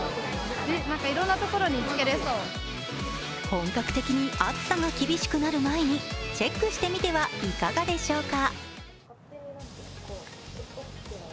本格的に暑さが厳しくなる前にチェックしてみてはいかがでしょうか？